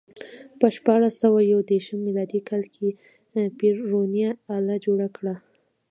په شپاړس سوه یو دېرش میلادي کال کې پير ورنیه آله جوړه کړه.